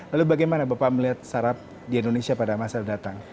lalu bagaimana bapak melihat startup di indonesia pada masa datang